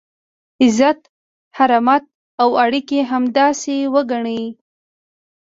عزت، حرمت او اړیکي همداسې وګڼئ.